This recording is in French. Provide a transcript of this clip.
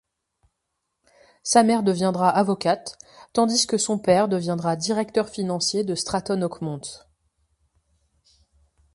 Sa mère deviendra avocate tandis que son père deviendra directeur financier de Stratton Oakmont.